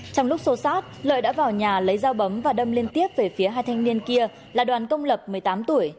trong lúc xô sát lợi đã vào nhà lấy dao bấm và đâm liên tiếp về phía hai thanh niên kia là đoàn công lập một mươi tám tuổi